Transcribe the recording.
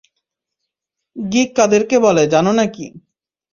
Gig কাদেরকে বলে, জানো নাকি?